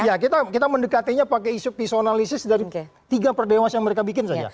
ya kita mendekatinya pakai isu personalisis dari tiga per dewas yang mereka bikin saja